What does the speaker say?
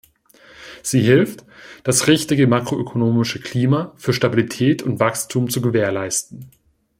Sie hilft, das richtige makroökonomische Klima für Stabilität und Wachstum zu gewährleisten.